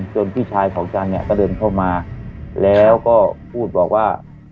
พี่ชายของจันเนี่ยก็เดินเข้ามาแล้วก็พูดบอกว่า